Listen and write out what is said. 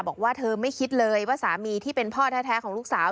บอกว่าเธอไม่คิดเลยว่าสามีที่เป็นพ่อแท้ของลูกสาว